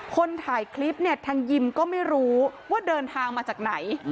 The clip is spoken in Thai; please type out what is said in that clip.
คนถ่ายคลิปเนี่ยทางยิมก็ไม่รู้ว่าเดินทางมาจากไหน